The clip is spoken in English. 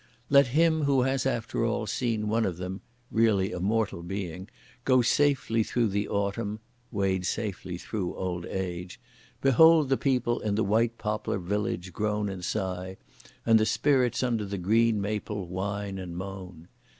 Let him who has after all seen one of them, (really a mortal being) go safely through the autumn, (wade safely through old age), behold the people in the white Poplar village groan and sigh; and the spirits under the green maple whine and moan!